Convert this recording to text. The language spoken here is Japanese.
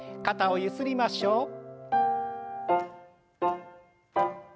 肩をゆすりましょう。